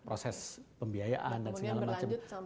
proses pembiayaan dan segala macam